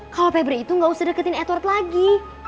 kalau febri itu gak usah deketin edward lagi